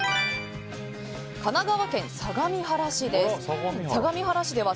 神奈川県相模原市です。